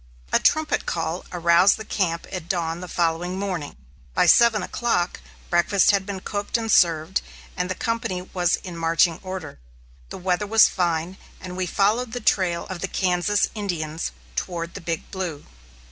A trumpet call aroused the camp at dawn the following morning; by seven o'clock breakfast had been cooked and served, and the company was in marching order. The weather was fine, and we followed the trail of the Kansas Indians, toward the Big Blue.